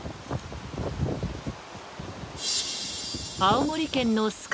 青森県の酸ケ